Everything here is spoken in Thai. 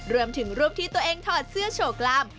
รวมถึงรูปที่ตัวเองถอดเสื้อโชว์กล้าม